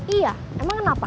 iya emang kenapa